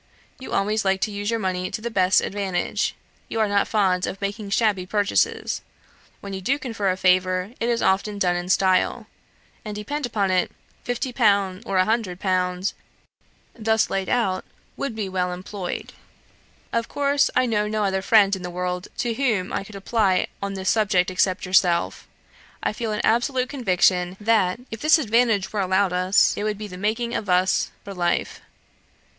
You always like to use your money to the best advantage. You are not fond of making shabby purchases; when you do confer a favour, it is often done in style; and depend upon it, 50_l_., or 100_l_., thus laid out, would be well employed. Of course, I know no other friend in the world to whom I could apply on this subject except yourself. I feel an absolute conviction that, if this advantage were allowed us, it would be the making of us for life.